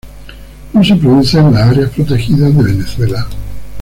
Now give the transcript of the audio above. No se produce en las áreas protegidas de Venezuela.